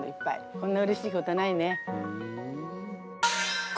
こんなうれしいことはないね。